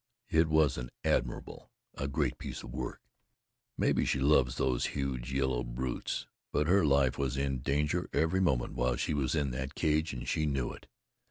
It was an admirable, a great piece of work. Maybe she loves those huge yellow brutes, but her life was in danger every moment while she was in that cage, and she knew it.